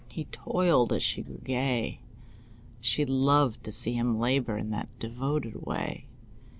He toiled as she grew gay. She loved to see him labor In that devoted way.